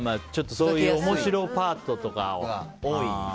そういう面白パートとかが。